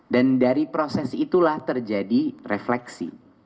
dan dari proses itulah terjadi refleksi